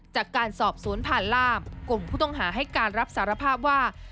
จากการสอบสวนผ่านล่ามกลุ่มผู้ต้องหาให้การรับสารภาพว่า